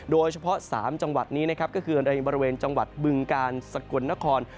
โดยเฉพาะ๓จังหวัดนี้นะครับก็คือในบริเวณจังหวัดบึงกาลสกลนคร